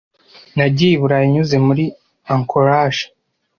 Nagiye i Burayi nyuze muri Anchorage.